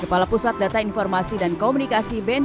kepala pusat data informasi dan komunikasi benn